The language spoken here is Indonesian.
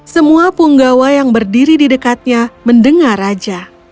semua punggawa yang berdiri di dekatnya mendengar raja